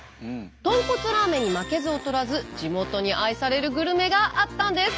豚骨ラーメンに負けず劣らず地元に愛されるグルメがあったんです。